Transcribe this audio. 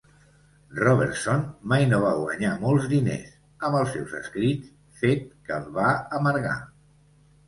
Robertson mai no va guanyar molts diners amb els seus escrits, fet que el va amargar.